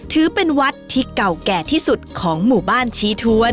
ถือเป็นวัดที่เก่าแก่ที่สุดของหมู่บ้านชี้ทวน